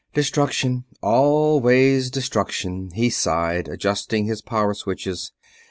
"Destruction, always destruction," he sighed, adjusting his power switches.